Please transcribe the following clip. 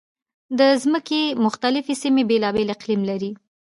د ځمکې مختلفې سیمې بېلابېل اقلیم لري.